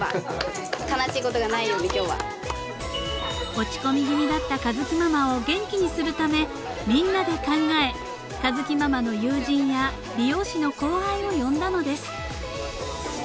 ［落ち込み気味だった佳月ママを元気にするためみんなで考え佳月ママの友人や美容師の後輩を呼んだのです］